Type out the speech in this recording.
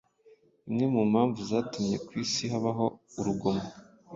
imwe mu mpamvu zatumye ku isi habaho urugomo